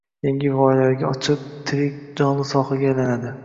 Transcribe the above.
yangi g‘oyalarga ochiq, «tirik», jonli sohaga aylanadi.